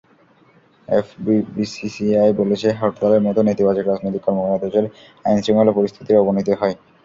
FBCCI বলেছে, হরতালের মতো নেতিবাচক রাজনৈতিক কর্মকাণ্ডে দেশের আইন-শৃঙ্খলা পরিস্থিতির অবনতি হয়।